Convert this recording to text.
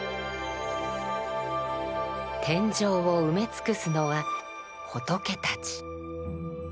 天井を埋め尽くすのは仏たち。